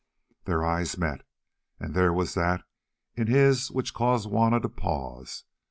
Their eyes met, and there was that in his which caused Juanna to pause.